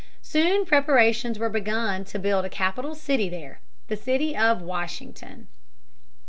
Soon preparations were begun to build a capital city there the city of Washington.